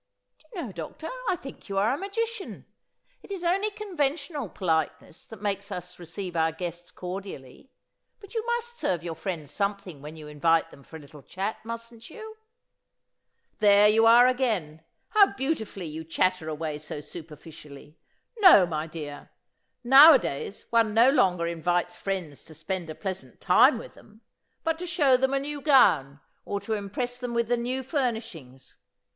"Do you know, doctor, I think you are a magician! It's only conventional politeness that makes us receive our guests cordially. But you must serve your friends something when you invite them for a little chat, mustn't you?" "There you are again! How beautifully you chatter away so superficially! No, my dear! Nowadays one no longer invites friends to spend a pleasant time with them, but to show them a new gown or to impress them with the new furnishings.